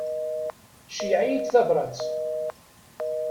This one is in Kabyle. Ceyyeɛ-iyi-d tabrat.